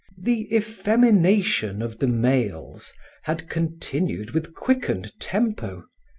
The effemination of the males had continued with quickened tempo.